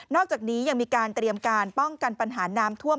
อกจากนี้ยังมีการเตรียมการป้องกันปัญหาน้ำท่วม